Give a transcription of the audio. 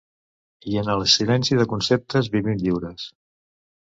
I en el silenci de conceptes vivim lliures.